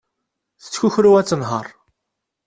Tettkukru ad tenher.